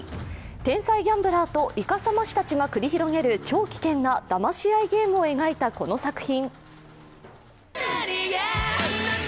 天才ギャンブラーと、いかさま師たちが繰り広げる超危険なだまし合いゲームを描いたこの作品。